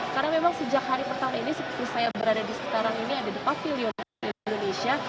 karena memang sejak hari pertama ini seperti saya berada di sekitaran ini ada the pavilion indonesia